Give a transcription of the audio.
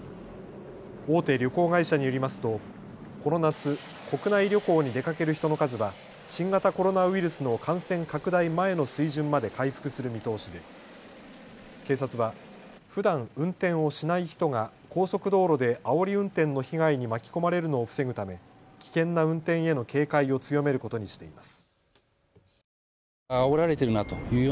大手旅行会社によりますとこの夏、国内旅行に出かける人の数は新型コロナウイルスの感染拡大前の水準まで回復する見通しで警察はふだん運転をしない人が高速道路であおり運転の被害に巻き込まれるのを防ぐため危険な運転への警戒を強めることにしています。